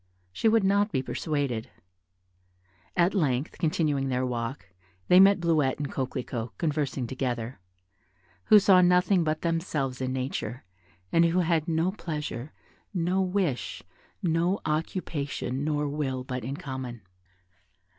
She would not be persuaded; at length, continuing their walk, they met Bleuette and Coquelicot, conversing together, who saw nothing but themselves in nature, and who had no pleasure, no wish, no occupation nor will but in common.